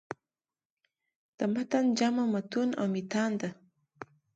د متن جمع "مُتون" او "مِتان" ده.